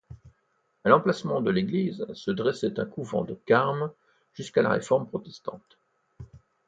À l’emplacement de l’église se dressait un couvent de carmes jusqu’à la réforme protestante.